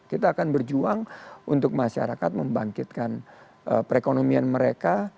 kita akan berjuang untuk masyarakat membangkitkan perekonomian mereka